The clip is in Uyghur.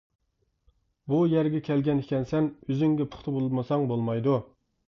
بۇ يەرگە كەلگەن ئىكەنسەن، ئۆزۈڭگە پۇختا بولمىساڭ بولمايدۇ.